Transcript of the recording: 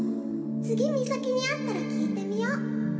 「次ミサキに会ったら聞いてみよう」